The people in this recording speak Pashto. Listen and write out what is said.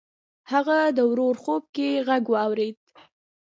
هغه د ورور خوب کې غږ واورېد.